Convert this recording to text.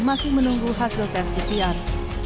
masih menunggu hasil tes pcr